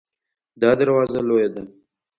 دا دروازه لویه ده